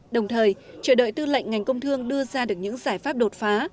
đồng thời chờ đợi tư lệnh ngành công thương đưa ra được những giải pháp đột phá